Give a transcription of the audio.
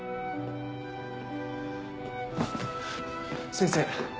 先生。